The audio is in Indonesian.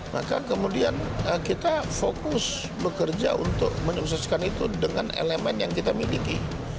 maka kemudian kita fokus bekerja untuk menyukseskan itu dengan elemen yang kita miliki